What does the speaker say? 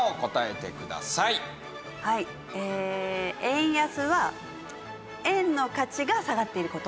円安は円の価値が下がっている事。